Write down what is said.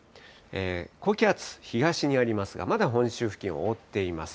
高気圧、東にありますが、まだ本州付近を覆っています。